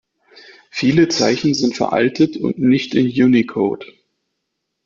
Viele Zeichen sind veraltet und nicht in Unicode.